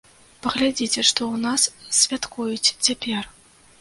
Паглядзіце, што ў нас святкуюць цяпер?